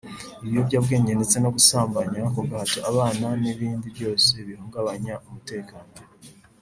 ibiyobyabwenge ndetse no gusambanya ku gahato abana n’ibindi byose bihungabanya umutekano